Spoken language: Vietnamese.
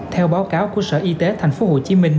theo báo cáo của sở y tế tp hcm